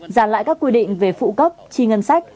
giàn lại các quy định về phụ cấp chi ngân sách